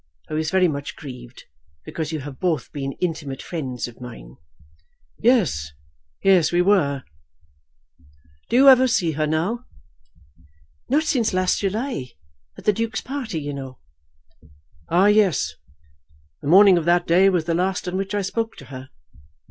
I was very much grieved, because you have both been intimate friends of mine." "Yes, yes; we were. Do you ever see her now?" "Not since last July, at the Duke's party, you know." "Ah, yes; the morning of that day was the last on which I spoke to her.